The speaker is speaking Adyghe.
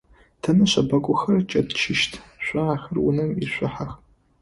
Тэ нэшэбэгухэр кӏэтчыщт, шъо ахэр унэм ишъухьэх.